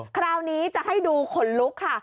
คราวนี้จะให้ดูขนลุกค่ะ